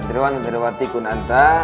santriwan santriwati kunanta